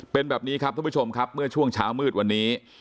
เป็นแบบนี้ครับท่านผู้ชมครับเมื่อช่วงเช้ามืดวันนี้